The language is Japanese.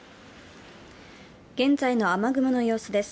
現在の雨雲の様子です。